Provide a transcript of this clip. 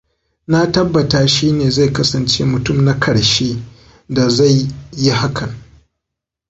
Na tabbata shi ne zai kasance mutum na karshe da zai yi hakan.